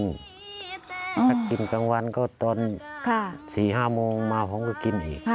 ถ้ากินกลางวันก็ตอน๔๕โมงมาผมก็กินอีก